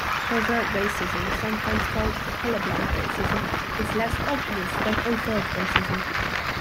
Covert racism, sometimes called "color blind" racism, is less obvious than overt racism.